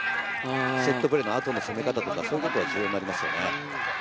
セットプレーの後の攻め方、そういうところが重要になりますよね。